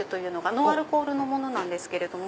ノンアルコールなんですけれども。